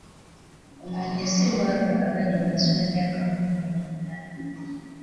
Omwenge si gwabo abali wansi w'emyaka ekkumi n'omunaana.